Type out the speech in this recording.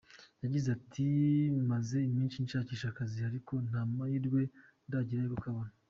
Yagize ati”maze iminsi nshakisha akazi, ariko nta mahirwe ndagira yo kukabona.